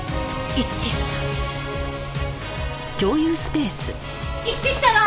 一致したわ！